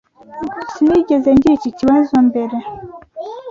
Sinigeze ngira iki kibazo mbere.